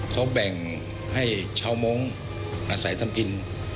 เขาแบ่งให้ชาวมงค์อาศัยทำกิน